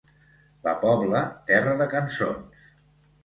La Pobla, terra de cançons.